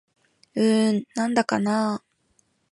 うーん、なんだかなぁ